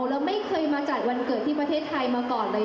แล้วไม่เคยมาจัดวันเกิดที่ประเทศไทยมาก่อนเลย